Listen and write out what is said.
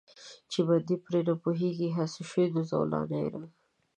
چې بندي پرې نه پوهېږي، هسې شو د زولانې رنګ.